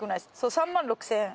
３万６，０００円。